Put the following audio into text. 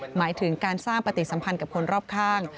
หมายถึงการสร้างปฏิสัมพันธ์กับคนรอบข้าง